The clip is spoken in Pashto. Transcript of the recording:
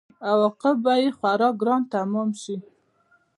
عواقب به یې خورا ګران تمام شي.